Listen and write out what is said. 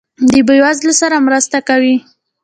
د بې وزلو سره مرسته کوئ؟